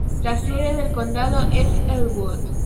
La sede del condado es Elwood.